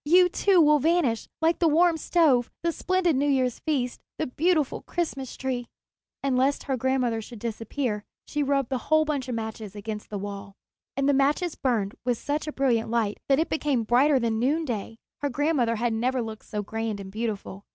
You, too, will vanish, like the warm stove, the splendid New Year's feast, the beautiful Christmas Tree." And lest her grandmother should disappear, she rubbed the whole bundle of matches against the wall. And the matches burned with such a brilliant light that it became brighter than noonday. Her grandmother had never looked so grand and beautiful.